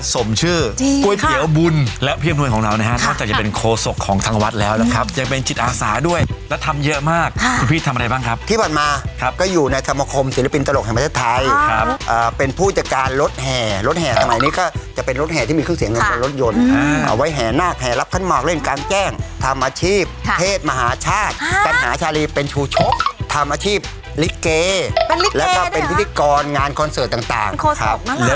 ศิลปินตลกแห่งประชาทัยครับอ่าเป็นผู้จัดการรถแห่รถแห่สมัยนี้ก็จะเป็นรถแห่ที่มีเครื่องเสียงขึ้นบนรถยนต์อืมเอาไว้แห่นาคแหลบขั้นมากเล่นการแจ้งทำอาชีพเทศมหาชาติฮะจัดหาชาลีเป็นชูชกทำอาชีพลิเกเป็นลิเกแล้วก็เป็นพิธีกรงานคอนเสิร์ตต่างต่างครั